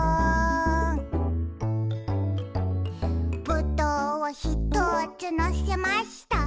「ぶどうをひとつのせました」